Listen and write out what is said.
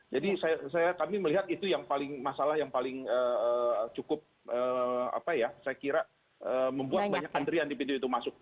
jadi kami melihat itu yang paling masalah yang paling cukup saya kira membuat banyak antrian di pintu itu masuk